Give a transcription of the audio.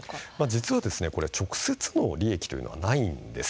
実はこれは直接の利益というのはないんです。